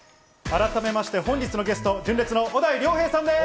改めまして本日のゲスト、純烈の小田井涼平さんです。